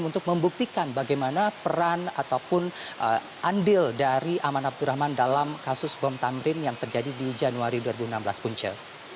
untuk membuktikan bagaimana peran ataupun andil dari aman abdurrahman dalam kasus bom tamrin yang terjadi di januari dua ribu enam belas punca